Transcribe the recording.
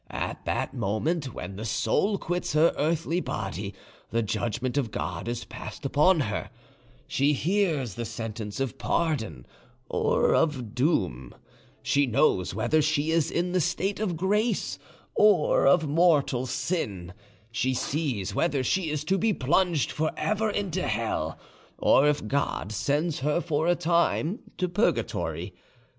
At that moment when the soul quits her earthly body the judgment of God is passed upon her: she hears the sentence of pardon or of doom; she knows whether she is in the state of grace or of mortal sin; she sees whether she is to be plunged forever into hell, or if God sends her for a time to purgatory.